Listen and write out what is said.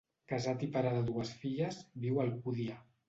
Casat i pare de dues filles, viu a Alcúdia.